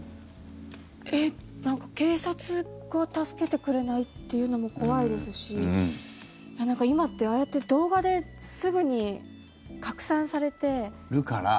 警察が助けてくれないっていうのも怖いですし今って、ああやって動画ですぐに拡散されて。